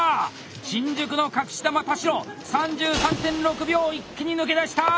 新宿の隠し球・田代３３．６秒一気に抜け出した！